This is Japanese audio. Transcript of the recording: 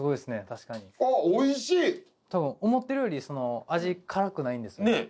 確かにあっおいしい多分思ってるより味辛くないんですよねねえ